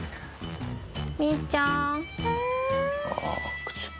みーちゃーん。